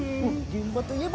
現場と言えば。